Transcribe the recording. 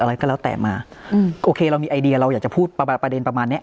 อะไรก็แล้วแต่มาอืมโอเคเรามีไอเดียเราอยากจะพูดประมาณประเด็นประมาณเนี้ย